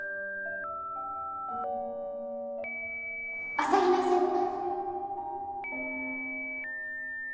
朝日奈先輩？